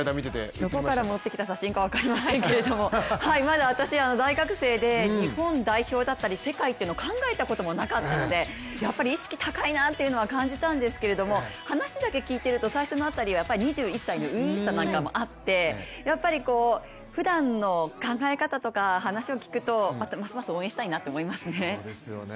どこから持ってきた写真か分かりませんけれども、まだ私、大学生で日本代表だったり世界ということを考えたこともなかったのでやっぱり、意識高いなっていうのは感じたんですけども話だけ聞いてると最初の辺りはやっぱり２１歳の初々しさなんかもあってやっぱりふだんの考え方とか話を聞くと、ますます応援したいなって思いますね。